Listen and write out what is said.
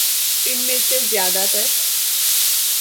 ان میں سے زیادہ تر